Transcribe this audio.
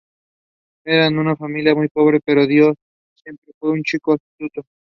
Eran una familia muy pobre, pero Dio siempre fue un chico astuto.